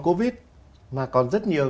covid mà còn rất nhiều